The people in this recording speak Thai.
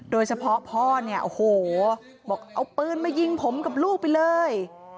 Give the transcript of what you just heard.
โดยเฉพาะพ่อเนี่ยโอ้โหบอกเอาปืนมายิงผมกับลูกไปเลย